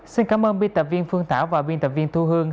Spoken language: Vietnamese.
xin cảm ơn biên tập viên phương tảo và biên tập viên thu hương